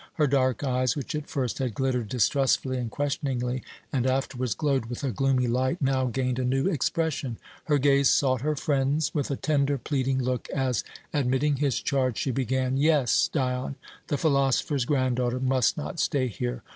Her dark eyes, which at first had glittered distrustfully and questioningly and afterwards glowed with a gloomy light, now gained a new expression. Her gaze sought her friend's with a tender, pleading look as, admitting his charge, she began: "Yes! Dion, the philosopher's granddaughter must not stay here.